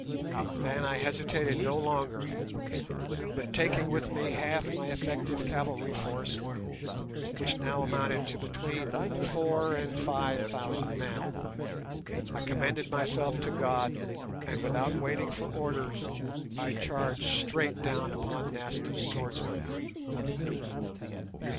Then I hesitated no longer, but taking with me half my effective cavalry force, which now amounted to between four and five thousand men, I commended myself to God, and, without waiting for orders, I charged straight down upon Nasta's swordsmen.